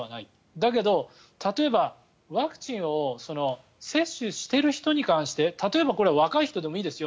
だけど例えばワクチンを接種している人に関して例えば、若い人でもいいですよ。